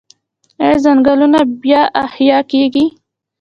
آیا ځنګلونه بیا احیا کیږي؟